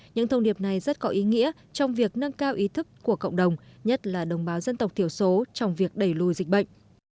những thông điệp này rất có ý nghĩa trong việc nâng cao ý thức của cộng đồng nhất là đồng bào dân tộc thiểu số trong việc đẩy lùi dịch bệnh